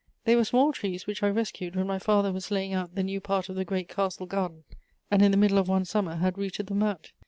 They were small trees which I rescued when my father was laying out the new part of the great castle garden, and in the middle of one summer had rooted them out.